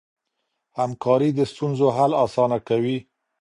همکاري د ستونزو حل اسانه کوي.